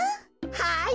はい。